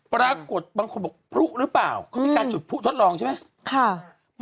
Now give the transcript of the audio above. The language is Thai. ปรากฏบางคนบอกหรือเปล่าเค้ามีการจุดผู้ทดลองใช่ไหมค่ะ